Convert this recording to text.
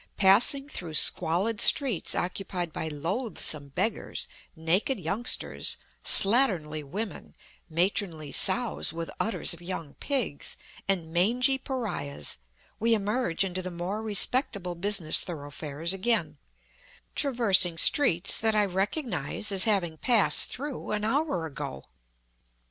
Passing through squalid streets occupied by loathsome beggars, naked youngsters, slatternly women, matronly sows with Utters of young pigs, and mangy pariahs, we emerge into the more respectable business thoroughfares again, traversing streets that I recognize as having passed through an hour ago.